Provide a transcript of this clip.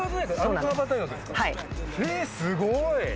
すごい！